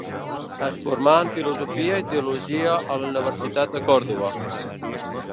Es formà en filosofia i teologia a la Universitat de Córdoba.